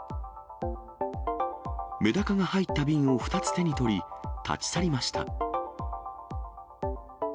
メダカが入った瓶を２つ手に取り、立ち去りました。